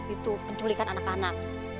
itu penculikan anak anak